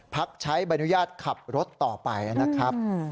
พักใช้ใบอนุญาตขับรถต่อไปนะครับ